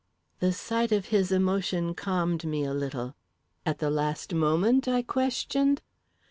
The sight of his emotion calmed me a little. "At the last moment?" I questioned.